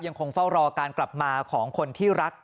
ยังคงเฝ้ารอการกลับมาของคนที่รัก